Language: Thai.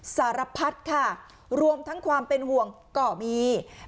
สารพัดค่ะรวมทั้งความเป็นห่วงก็มี